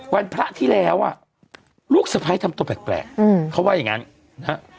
วันพระที่แล้วอ่ะลูกสะพายทำตัวแปลกแปลกอืมเขาว่าอย่างงั้นนะ